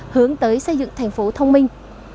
hướng tới xây dựng thành phố thông minh